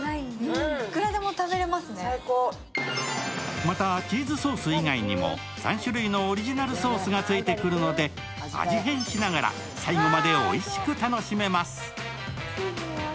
またチーズソース以外にも３種類のオリジナルソースがついてくるので味変しながら最後までおいしく楽しめます。